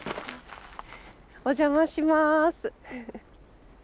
お邪魔します。